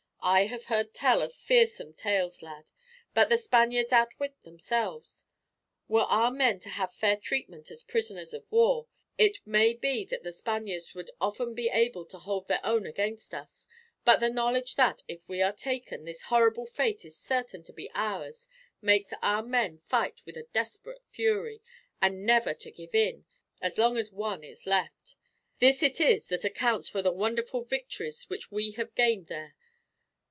I have heard tell of fearsome tales, lad; but the Spaniards outwit themselves. Were our men to have fair treatment as prisoners of war, it may be that the Spaniards would often be able to hold their own against us; but the knowledge that, if we are taken, this horrible fate is certain to be ours, makes our men fight with a desperate fury; and never to give in, as long as one is left. This it is that accounts for the wonderful victories which we have gained there.